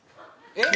えっ？